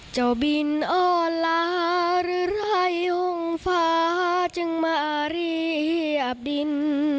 เจ้าบินอ้อลาหรือไรห้องฟ้าจึงมาเรียบดิน